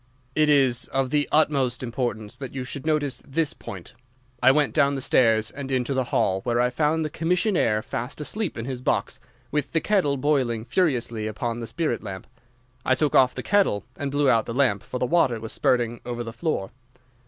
"It is of the utmost importance that you should notice this point. I went down the stairs and into the hall, where I found the commissionnaire fast asleep in his box, with the kettle boiling furiously upon the spirit lamp. I took off the kettle and blew out the lamp, for the water was spurting over the floor.